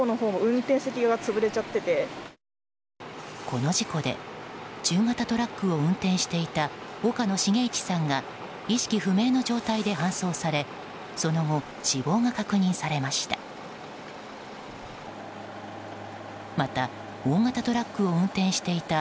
この事故で中型トラックを運転していた岡野重一さんが意識不明の状態で搬送されその後、死亡が確認されました。